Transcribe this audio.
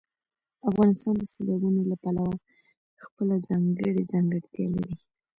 افغانستان د سیلابونو له پلوه خپله ځانګړې ځانګړتیا لري.